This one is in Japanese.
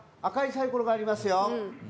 赤いサイコロがありますよ。